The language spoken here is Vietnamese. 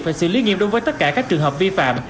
và xử lý nghiêm đối với tất cả các trường hợp vi phạm